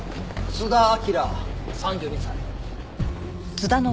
津田明３２歳。